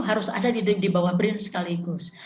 harus ada di bawah brin sekaligus